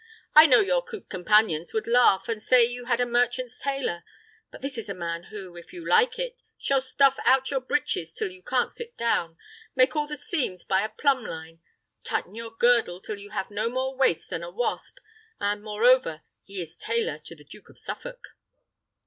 I know your coot companions would laugh, and say you had had a merchant's tailor; but this is a man who, if you like it, shall stuff out your breeches till you can't sit down, make all the seams by a plumb line, tighten your girdle till you have no more waist than a wasp; and, moreover, he is tailor to the Duke of Suffolk."